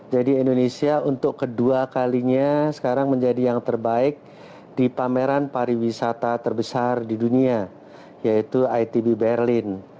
jadi indonesia untuk kedua kalinya sekarang menjadi yang terbaik di pameran pariwisata terbesar di dunia yaitu itb berlin